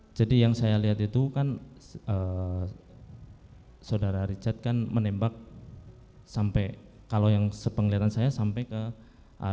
ya jadi yang saya lihat itu kan saudara richard kan menembak sampai kalau yang sepenglihatan saya sampai ke arah